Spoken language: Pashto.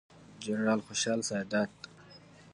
جنرال خوشحال سادات،